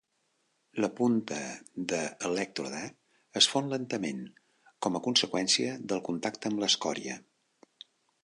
La punta de elèctrode es fon lentament com a conseqüència del contacte amb l'escòria.